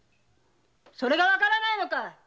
それがわからないのかい！